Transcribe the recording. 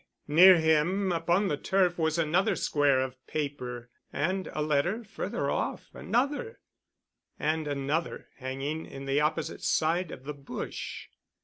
Near him upon the turf was another square of paper—and a letter further off, another, and another hanging in the opposite side of the bush.